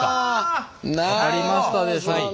分かりましたでしょうか？